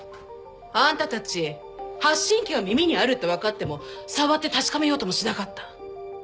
あんたたち発信器が耳にあるって分かっても触って確かめようともしなかった。